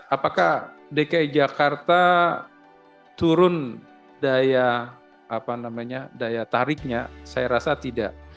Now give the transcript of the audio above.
apakah dki jakarta turun daya tariknya saya rasa tidak